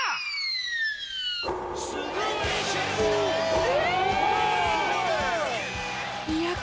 え